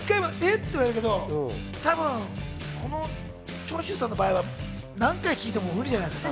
って言えるけど、長州さんの場合は何回聞いても無理じゃないですか。